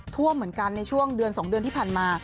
ท่วมเหมือนกันในช่วงเดือน๒เดือนที่ผ่านมา